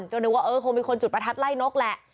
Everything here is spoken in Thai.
ก็นึกว่าเออคงมีคนจุดประทัดไล่นกแหละ